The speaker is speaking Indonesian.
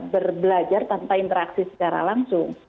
berbelajar tanpa interaksi secara langsung